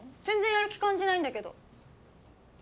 全然やる気感じないんだけど。